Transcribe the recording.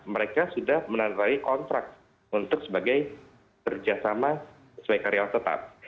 mereka sudah menandai kontrak untuk sebagai kerjasama sesuai karyawan tetap